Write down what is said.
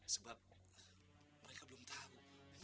sebab mereka belum tau